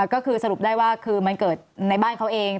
ก็คือสรุปได้ว่าคือมันเกิดในบ้านเขาเอง